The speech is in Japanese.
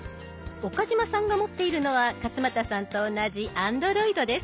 岡嶋さんが持っているのは勝俣さんと同じＡｎｄｒｏｉｄです。